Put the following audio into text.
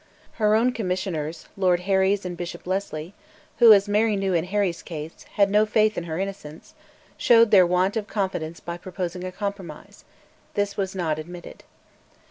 Her own Commissioners, Lord Herries and Bishop Lesley, who (as Mary knew in Herries's case) had no faith in her innocence, showed their want of confidence by proposing a compromise; this was not admitted.